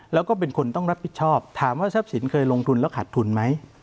แล้วก็เป็นคนต้องรับผิดชอบถามว่าทรัพย์สินเคยลงทุนแล้วขัดทุนไหม